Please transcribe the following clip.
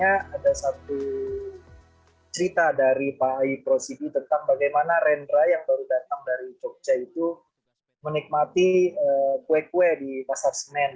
jadi ini adalah cerita dari pak ai pro sibi tentang bagaimana rendra yang baru datang dari jogja itu menikmati kue kue di pasar senen